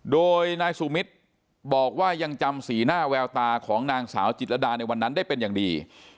โดยนายสุมิตรบอกว่ายังจำสีหน้าแววตาของนางสาวจิตรดาในวันนั้นได้เป็นอย่างดี